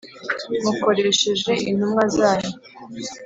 mukoresheje intumwa zanyu.